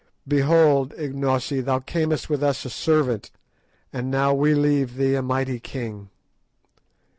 Behold, Ignosi, thou camest with us a servant, and now we leave thee a mighty king.